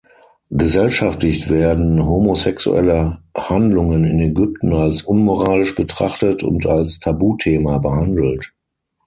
Gesellschaftlich werden homosexuelle Handlungen in Ägypten als unmoralisch betrachtet und als Tabuthema behandelt.